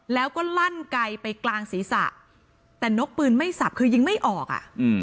แล้วก็ลั่นไกลไปกลางศีรษะแต่นกปืนไม่สับคือยิงไม่ออกอ่ะ